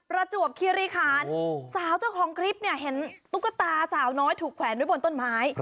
ประจวบคิริคันสาวเจ้าของคลิปเนี่ยเห็นตุ๊กตาสาวน้อยถูกแขวนไว้บนต้นไม้